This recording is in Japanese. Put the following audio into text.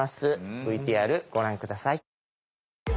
ＶＴＲご覧下さい。